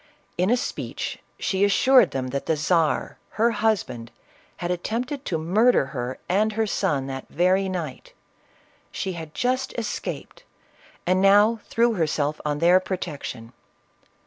In a speech, she assured them that the Czar, her husband, had attempted to murder her and her son that very night ; that she had just escaped, and now threw herself on their protection.